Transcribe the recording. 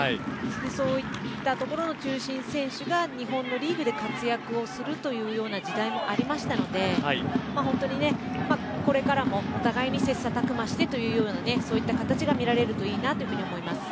そういったところの中心選手が日本のリーグで活躍をするというような時代もありましたので本当に、これからもお互いに切磋琢磨してというような形が見られるといいなと思います。